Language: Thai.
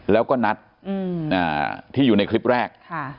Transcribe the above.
แล้วก็นัดที่อยู่ในคลิปแรก